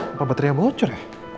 apa baterainya bocor